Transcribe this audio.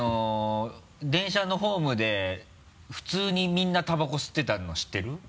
電車のホームで普通にみんなタバコ吸ってたの知ってる？